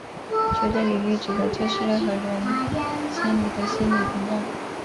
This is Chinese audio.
绝对领域指的就是任何人心里的心理屏障。